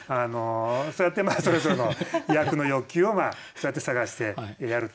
そうやってそれぞれの役の欲求をそうやって探してやるという感じですね。